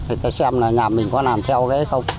người ta xem là nhà mình có làm theo ghe không